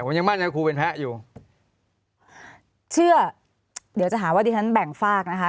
ผมยังมั่นใจว่าครูเป็นแพ้อยู่เชื่อเดี๋ยวจะหาว่าดิฉันแบ่งฝากนะคะ